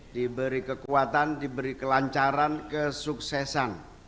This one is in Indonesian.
diberi kekuatan diberi kelancaran kesuksesan